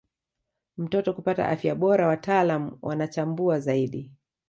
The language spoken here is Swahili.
mtoto kupata afya bora wataalam wanachambua zaidi